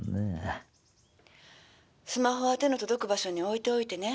「スマホは手の届く場所に置いておいてね。